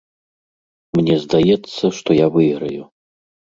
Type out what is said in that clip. Мне здаецца, што я выйграю.